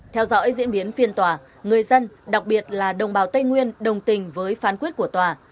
theo dõi diễn biến phiên tòa người dân đặc biệt là đồng bào tây nguyên đồng tình với phán quyết của tòa